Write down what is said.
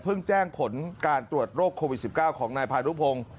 แจ้งผลการตรวจโรคโควิด๑๙ของนายพานุพงศ์